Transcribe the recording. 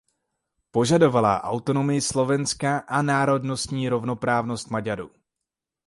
Požadovala autonomii Slovenska a národnostní rovnoprávnost Maďarů.